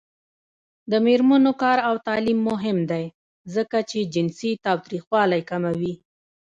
د میرمنو کار او تعلیم مهم دی ځکه چې جنسي تاوتریخوالی کموي.